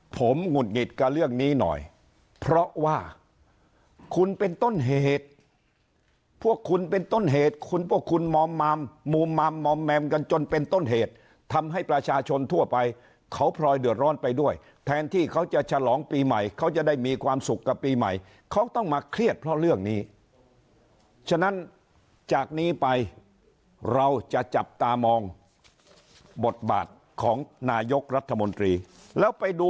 ผมหงุดหงิดกับเรื่องนี้หน่อยเพราะว่าคุณเป็นต้นเหตุพวกคุณเป็นต้นเหตุคุณพวกคุณมอมมามมุมมามอมแมมกันจนเป็นต้นเหตุทำให้ประชาชนทั่วไปเขาพลอยเดือดร้อนไปด้วยแทนที่เขาจะฉลองปีใหม่เขาจะได้มีความสุขกับปีใหม่เขาต้องมาเครียดเพราะเรื่องนี้ฉะนั้นจากนี้ไปเราจะจับตามองบทบาทของนายกรัฐมนตรีแล้วไปดู